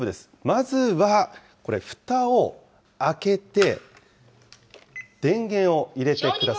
まずは、これ、ふたを開けて電源を入れてください。